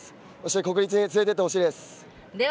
国立に連れていってほしいです。